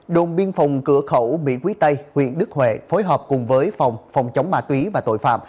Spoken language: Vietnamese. đồn biên phòng cửa khẩu mỹ quý tây huyện đức huệ phối hợp cùng với phòng phòng chống ma túy và tội phạm